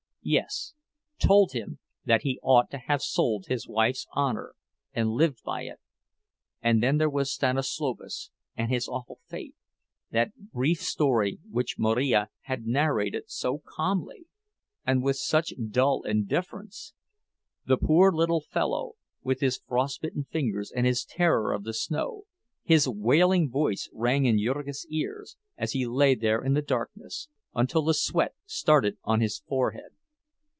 Yes—told him that he ought to have sold his wife's honor and lived by it!—And then there was Stanislovas and his awful fate—that brief story which Marija had narrated so calmly, with such dull indifference! The poor little fellow, with his frostbitten fingers and his terror of the snow—his wailing voice rang in Jurgis's ears, as he lay there in the darkness, until the sweat started on his forehead.